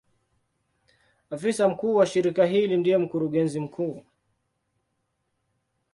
Afisa mkuu wa shirika hili ndiye Mkurugenzi mkuu.